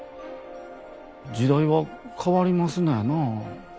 時代は変わりますのやなぁ。